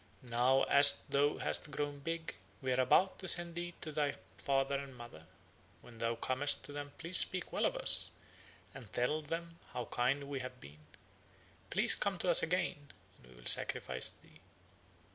Now, as thou hast grown big, we are about to send thee to thy father and mother. When thou comest to them please speak well of us, and tell them how kind we have been; please come to us again and we will sacrifice thee."